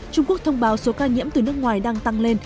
trung quốc thông báo số ca nhiễm từ nước ngoài đang tăng lên